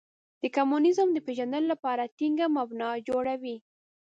د کمونیزم د پېژندلو لپاره ټینګه مبنا جوړوي.